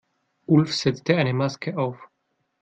Ulf setzte eine Maske auf.